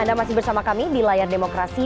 anda masih bersama kami di layar demokrasi